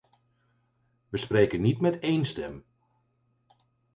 We spreken niet met één stem.